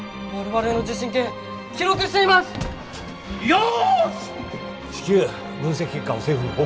よし！